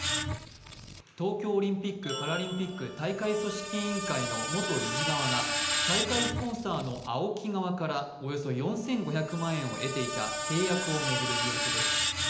東京オリンピック・パラリンピック大会組織委員会の元理事側が、大会スポンサーのＡＯＫＩ側からおよそ４５００万円を得ていた契約を巡る疑惑です。